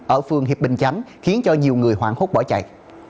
ở phường hiệp bình chánh khiến cho nhiều người hoảng hốt bỏ chạy